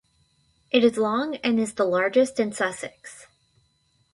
It is long and is the largest in Sussex.